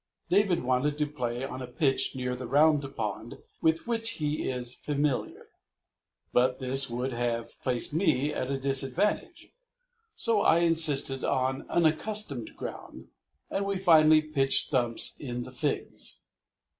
David wanted to play on a pitch near the Round Pond with which he is familiar, but this would have placed me at a disadvantage, so I insisted on unaccustomed ground, and we finally pitched stumps in the Figs.